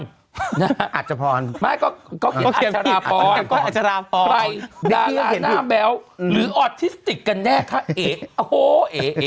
ก้อยอัชราพรไปดาราหน้าแบวหรือออทิสติกกันแน่คะเอ๊ะ